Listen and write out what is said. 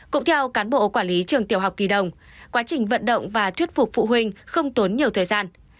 cũng theo cán bộ quản lý trường tiểu học kỳ đồng quá trình vận động và thuyết phục phụ huynh không tốn nhiều thời gian